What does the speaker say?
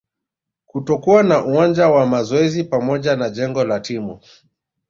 kutokuwa na uwanja wa mazoezi pamoja na jengo la timu